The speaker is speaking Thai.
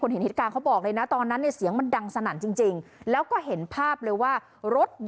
คนเห็นฮิตกาเขาบอกเลยนะตอนนั้นเสียงมันดังสนับจริงแล้วก็เห็นภาพอะไรว่ากระสุนด้วย